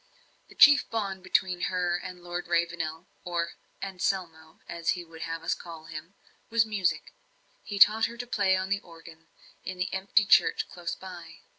The chief bond between her and Lord Ravenel or "Anselmo," as he would have us call him was music. He taught her to play on the organ, in the empty church close by.